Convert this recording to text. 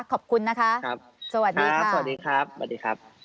ขอบคุณนะคะครับสวัสดีครับสวัสดีครับสวัสดีครับ